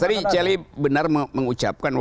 tadi celi benar mengucapkan